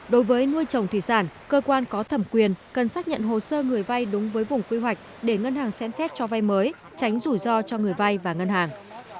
đối với nuôi trồng thủy sản cơ quan có thẩm quyền cần xác nhận hồ sơ người vay đúng với vùng quy hoạch để ngân hàng xem xét cho vay mới tránh rủi ro cho người vay và ngân hàng